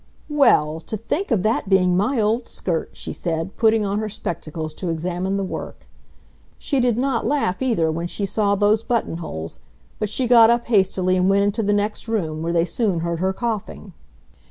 "Well, to think of that being my old skirt!" she said, putting on her spectacles to examine the work. She did not laugh, either, when she saw those buttonholes, but she got up hastily and went into the next room, where they soon heard her coughing.